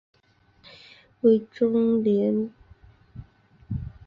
为中联办底下的政治作战单位。